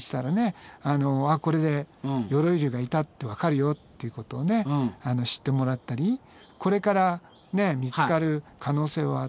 これで鎧竜がいたってわかるよっていうことを知ってもらったりこれから見つかる可能性はたくさんあると思うので。